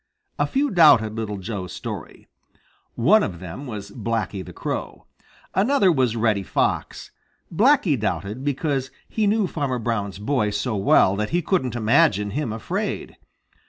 A few doubted Little Joe's story. One of them was Blacky the Crow. Another was Reddy Fox. Blacky doubted because he knew Farmer Brown's boy so well that he couldn't imagine him afraid.